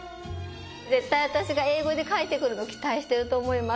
絶対私が英語で書いて来るの期待してると思います。